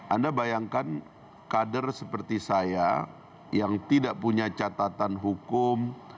anda bayangkan kader seperti saya yang tidak punya catatan hukum